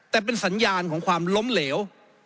แต่เป็นสัญญาณของความล้มเหลว